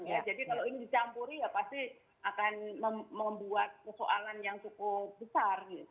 jadi kalau ini dicampuri ya pasti akan membuat kesoalan yang cukup besar